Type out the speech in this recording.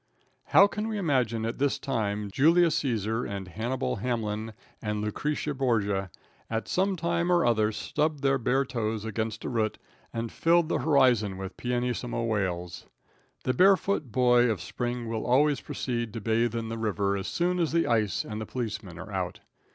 How can we imagine at this time Julius Caesar and Hannibal Hamlin and Lucretia Borgia at some time or other stubbed their bare toes against a root and filled the horizon with pianissimo wails. The barefoot boy of spring will also proceed to bathe in the river as soon as the ice and the policeman are out.